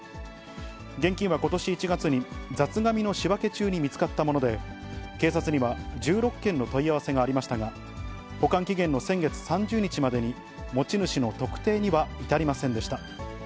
現金はことし１月に、雑がみの仕分け中に見つかったもので、警察には、１６件の問い合わせがありましたが、保管期限の先月３０日までに、持ち主の特定には至りませんでした。